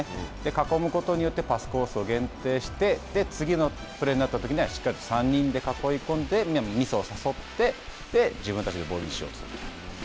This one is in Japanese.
囲むことによってパスコースを限定して次のプレーになったときにはしっかりと３人で囲い込んでミスを誘って自分たちのボールにしようとする。